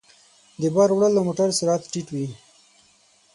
د بار وړلو موټر سرعت ټيټ وي.